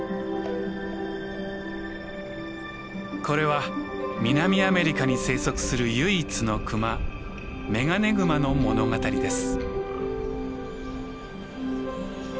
これは南アメリカに生息する唯一のクマメガネグマの物語です。